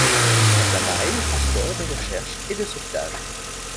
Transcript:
Il sert d'appareil de transport, de recherche et de sauvetage.